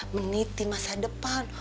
meniti masa depan